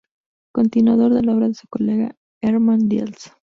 Continuador de la obra de su colega Hermann Diels.